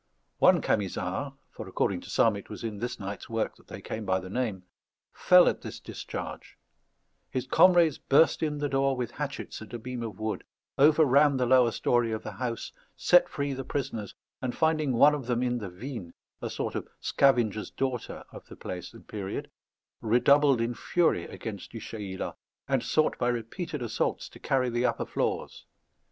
One Camisard (for, according to some, it was in this night's work that they came by the name) fell at this discharge: his comrades burst in the door with hatchets and a beam of wood, overran the lower story of the house, set free the prisoners, and finding one of them in the vine, a sort of Scavenger's Daughter of the place and period, redoubled in fury against Du Chayla, and sought by repeated assaults to carry the upper floors.